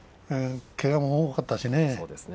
けがも多かったしね。